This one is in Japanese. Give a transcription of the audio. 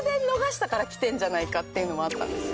っていうのもあったんですよ。